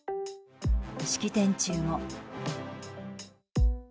式典中も。